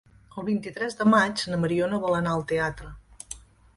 El vint-i-tres de maig na Mariona vol anar al teatre.